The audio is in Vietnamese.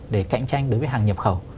để cạnh tranh đối với hàng nhập khẩu